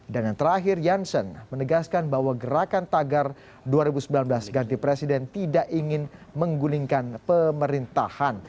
dan yang terakhir janssen menegaskan bahwa gerakan tagar dua ribu sembilan belas ganti presiden tidak ingin menggulingkan pemerintahan